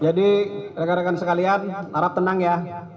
jadi rekan rekan sekalian harap tenang ya